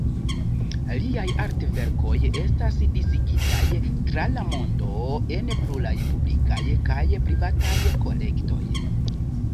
Liaj artverkoj estas disigitaj tra la mondo en pluraj publikaj kaj privataj kolektoj.